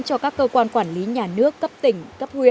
cho các cơ quan quản lý nhà nước cấp tỉnh cấp huyện